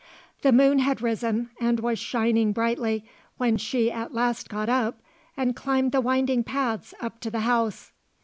The moon had risen and was shining brightly when she at last got up and climbed the winding paths up to the house.